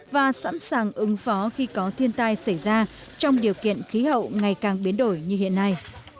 và sẵn sàng ứng phó khi có thiên tai xảy ra trong điều kiện khí hậu ngày càng biến đổi như hiện nay